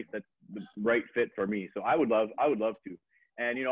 untuk aku aku ingin main basketball di sekolah